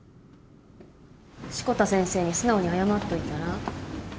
志子田先生に素直に謝っといたら？